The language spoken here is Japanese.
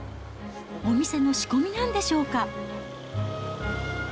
お店の仕込みなんでしょうか。